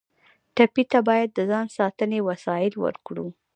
ټپي ته باید د ځان ساتنې وسایل ورکړو.